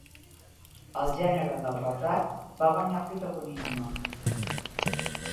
El gènere del retrat va guanyar protagonisme.